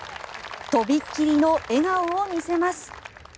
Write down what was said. とびっきりの笑顔を見せます。